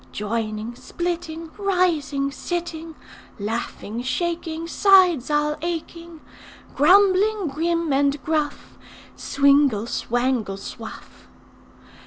'Joining, splitting, Rising, sitting, Laughing, shaking, Sides all aching, Grumbling, grim, and gruff. Swingle, swangle, swuff!